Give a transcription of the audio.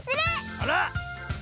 あら！